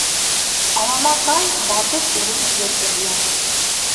Алама тай батып үлер ер эҙләр.